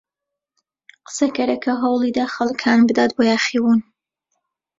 قسەکەرەکە هەوڵی دا خەڵک هان بدات بۆ یاخیبوون.